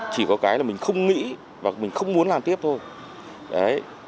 chỉ có cái là mình không nghĩ và mình không muốn làm tiếp thôi